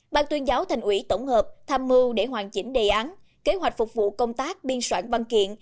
ban tuyên giáo thành ủy tổng hợp tham mưu để hoàn chỉnh đề án kế hoạch phục vụ công tác biên soạn băng kiện